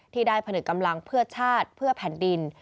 ที่ได้ผนึกกำลังเพื่อชาติเพื่อแผ่นดิน